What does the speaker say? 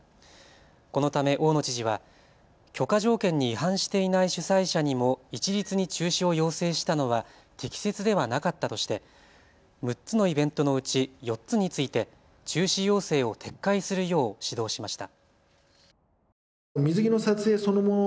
このため大野知事は許可条件に違反していない主催者にも一律に中止を要請したのは適切ではなかったとして６つのイベントのうち４つについて中止要請を撤回するよう指導しました。